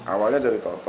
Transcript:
awalnya dari toto